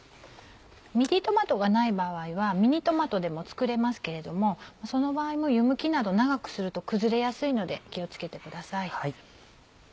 ミディトマトがない場合はミニトマトでも作れますけどその場合も湯むきなど長くすると崩れやすいので気を付けてください。